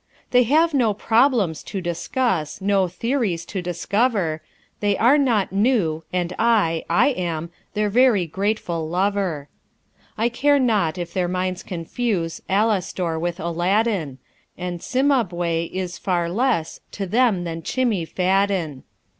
They have no "problems" to discuss, No "theories" to discover; They are not "new"; and I I am Their very grateful lover. I care not if their minds confuse Alastor with Aladdin; And Cimabue is far less To them than Chimmie Fadden.